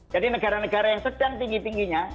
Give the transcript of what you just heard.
jadi negara negara yang sedang tinggi tingginya